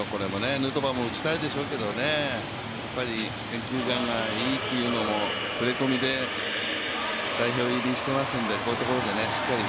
ヌートバーも打ちたいでしょうけどね、やっぱり選球眼がいいというのもふれこみで代表入りしていますので、こういうところでしっかりと。